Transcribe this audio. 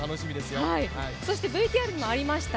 ＶＴＲにもありました